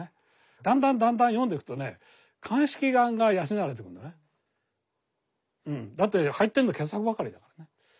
だんだんだんだんだって入ってるの傑作ばかりだからね。